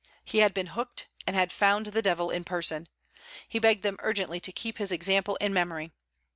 He had been hooked, and had found the devil in person. He begged them urgently to keep his example in memory.